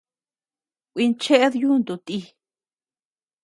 Kuincheʼed yuntu ti.